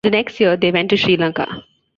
The next year they went to Sri Lanka.